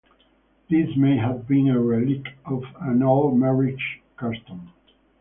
This may have been a relic of an old marriage custom.